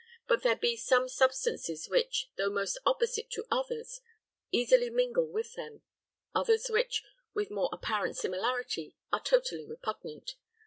But there be some substances, which, though most opposite to others, easily mingle with them; others which, with more apparent similarity, are totally repugnant.